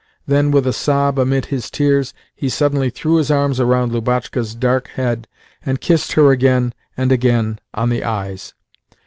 Then, with a sob amid his tears, he suddenly threw his arms around Lubotshka's dark head, and kissed her again and again on the eyes.